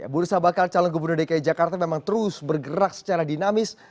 bursa bakal calon gubernur dki jakarta memang terus bergerak secara dinamis